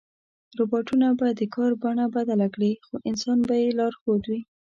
روباټونه به د کار بڼه بدله کړي، خو انسان به یې لارښود وي.